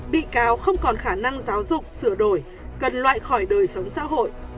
bị cáo không còn khả năng giáo dục sửa đổi cần loại khỏi đời sống xã hội